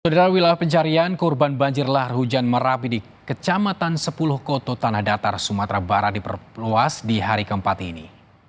dari wilayah pencarian korban banjir lahar hujan merapi di kecamatan sepuluh koto tanah datar sumatera barat diperluas di hari keempat ini